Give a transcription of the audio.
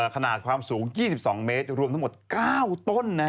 ขนาดความสูง๒๒เมตรรวมทั้งหมด๙ต้น